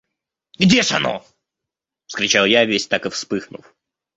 – Где ж оно? – вскричал я, весь так и вспыхнув.